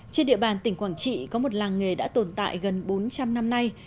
trên địa bàn tỉnh quảng trị có một làng nghề đã tồn tại gần bốn trăm linh năm nay